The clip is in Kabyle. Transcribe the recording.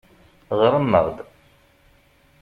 Ɣṛem-aɣ-d.